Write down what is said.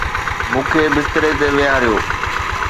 مون کي بستري تي ويهاريو